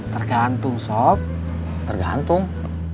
tergantung sok tergantung